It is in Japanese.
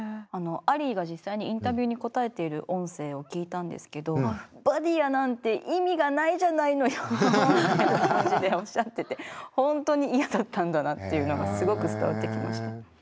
アリーが実際にインタビューに答えている音声を聞いたんですけど「バーディヤー」なんて意味がないじゃないのよっていう感じでおっしゃってて本当に嫌だったんだなっていうのがすごく伝わってきました。